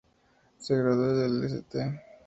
Se graduó del "St.